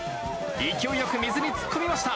勢いよく水に突っ込みました。